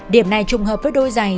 điểm này trùng hợp với đôi giày